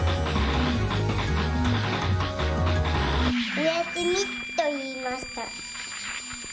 「おやすみ」といいました。